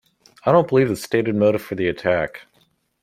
I don't believe the stated motive for the attack.